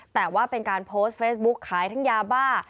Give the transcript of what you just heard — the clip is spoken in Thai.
แต่ว่าเป็นการโพสต์เฟซบุ๊กขายทั้งยาบ้า